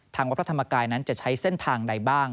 วัดพระธรรมกายนั้นจะใช้เส้นทางใดบ้าง